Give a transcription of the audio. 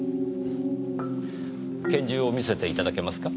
拳銃を見せていただけますか。